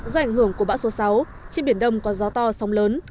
do ảnh hưởng của bão số sáu trên biển đông có gió to sóng lớn